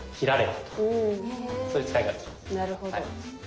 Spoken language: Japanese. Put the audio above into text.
なるほど。